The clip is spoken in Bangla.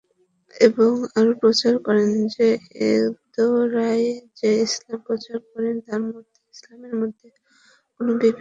এবং আরো প্রচার করেন যে, এরদোয়ান যে ইসলাম প্রচার করেন, তার মধ্যে ইসলামের মধ্যে কোনও বিভেদ নেই।